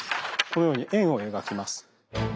このように円を描きます。